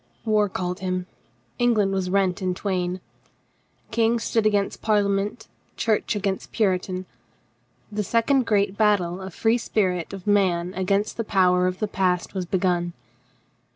War called him. Eng land was rent in twain. King stood against Parlia ment, Church against Puritan. The second great battle of the free spirit of man against the power of the past was begun.